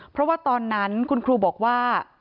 เพราะว่าตอนนั้นคุณครูบอกว่า